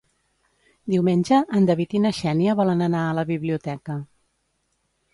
Diumenge en David i na Xènia volen anar a la biblioteca.